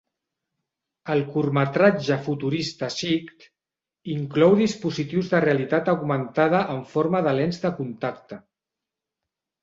El curtmetratge futurista "Sight" inclou dispositius de realitat augmentada en forma de lents de contacte.